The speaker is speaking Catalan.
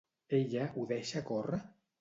Ella ho deixa córrer?